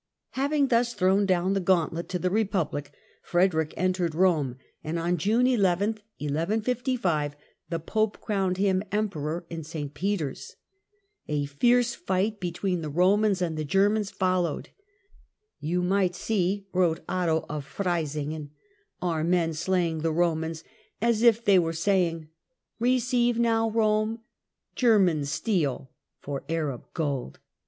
Having thus thrown down the gauntlet to the Republic, Frederick entered Rome, and on June 18, Frederick 1155, the Popc crowucd him Emperor in St Peter's. A Emperort ^^^^^ fight between the Romans and the Germans 1155 ^^' followed. " Yon might see," wrote Otto of Freisingen, "our men slaying the Romans, as if they were saying: 'Receive now, Rome, German steel for Arab gold.